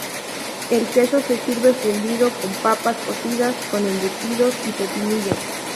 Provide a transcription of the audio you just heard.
El queso se sirve fundido con papas cocidas, con embutidos y pepinillos.